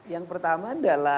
yang pertama adalah